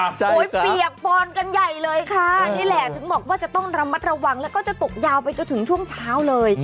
โอ้โหเปียกปอนกันใหญ่เลยค่ะนี่แหละถึงบอกว่าจะต้องระมัดระวังแล้วก็จะตกยาวไปจนถึงช่วงเช้าเลย